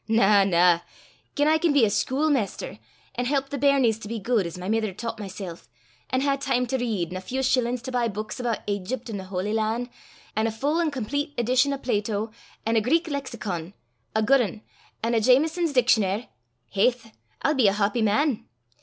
Na, na; gien I can be a schuilmaister, an' help the bairnies to be guid, as my mither taucht mysel', an' hae time to read, an' a feow shillin's to buy buiks aboot Aigypt an' the Holy Lan', an' a full an' complete edition o' Plato, an' a Greek Lexicon a guid ane, an' a Jamieson's Dictionar', haith, I'll be a hawpy man!